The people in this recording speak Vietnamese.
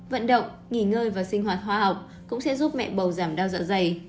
vận động nghỉ ngơi và sinh hoạt khoa học cũng sẽ giúp mẹ bầu giảm đau dạ dày